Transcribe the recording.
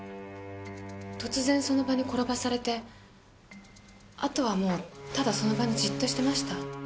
突然その場に転ばされてあとはもうただその場にじっとしてました。